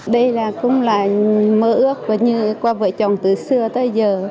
đây cũng là mơ ước như qua vợ chồng từ xưa tới giờ